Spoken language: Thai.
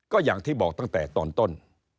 ก็อย่างที่บอกตั้งแต่ตอนต้น